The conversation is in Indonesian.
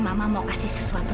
mama mau kasih sesuatu